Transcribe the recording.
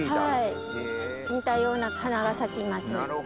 似たような花が咲きます。